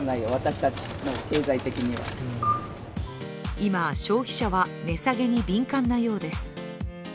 今、消費者は値下げに敏感なようです。